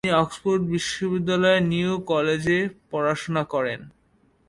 তিনি অক্সফোর্ড বিশ্ববিদ্যালয়ের নিউ কলেজে পড়াশোনা করেন।